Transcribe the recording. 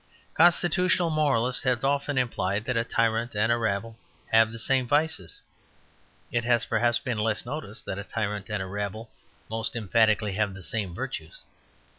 Constitutional moralists have often implied that a tyrant and a rabble have the same vices. It has perhaps been less noticed that a tyrant and a rabble most emphatically have the same virtues.